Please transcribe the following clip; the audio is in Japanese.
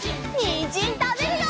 にんじんたべるよ！